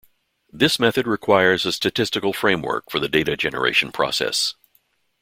This method requires a statistical framework for the data generation process.